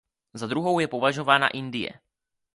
Za druhou je považována Indie.